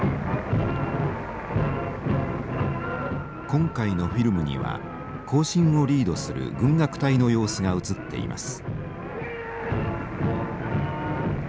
今回のフィルムには行進をリードする軍楽隊の様子が写っています。